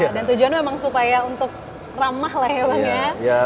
dan tujuannya memang supaya untuk ramah lah ya bang ya